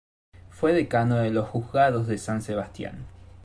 Fue Decano de los Juzgados de San Sebastián.